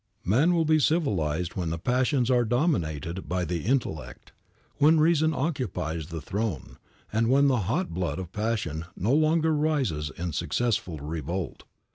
Man will be civilized when the passions are dominated by the intellect, when reason occupies the throne, and when the hot blood of passion no longer rises in successful revolt.